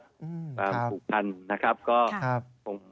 ความปลูกพันธ์นะครับ